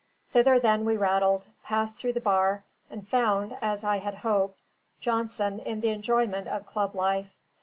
Thither then we rattled; passed through the bar, and found (as I had hoped) Johnson in the enjoyment of club life.